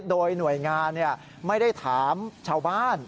โดยหน่วยงานไม่ได้ถามชาวบ้าน